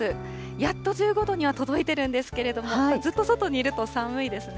やっと１５度には届いてるんですけれども、ずっと外にいると寒いですね。